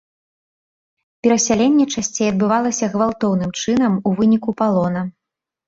Перасяленне часцей адбывалася гвалтоўным чынам, у выніку палону.